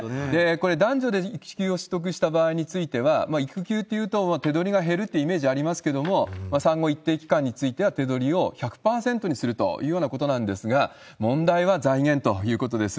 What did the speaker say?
これ、男女で育休を取得した場合については、育休っていうと手取りが減るというイメージありますけれども、産後一定期間については、手取りを１００％にするというようなことなんですが、問題は財源ということです。